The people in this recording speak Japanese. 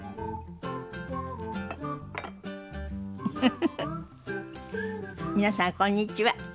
フフフフ皆さんこんにちは。